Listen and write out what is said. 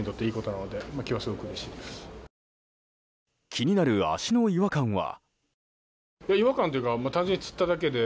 気になる足の違和感は。